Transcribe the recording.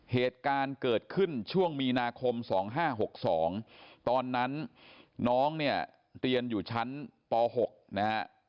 เหตุการณ์เกิดขึ้นช่วงมีนาคม๒๕๖๒ตอนนั้นน้องเนี่ยเรียนอยู่ชั้นป๖นะฮะ